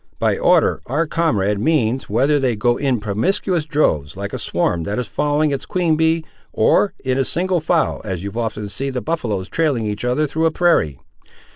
By order, our comrade means whether they go in promiscuous droves, like a swarm that is following its queen bee, or in single file, as you often see the buffaloes trailing each other through a prairie.